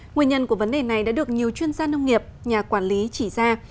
nguyên nhân của vấn đề này đã được nhiều chuyên gia nông nghiệp nhà quản lý chỉ ra